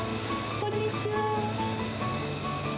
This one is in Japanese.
こんにちは。